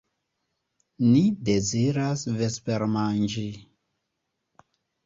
Ni deziras vespermanĝi.